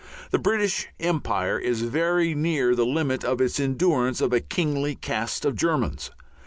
The British Empire is very near the limit of its endurance of a kingly caste of Germans.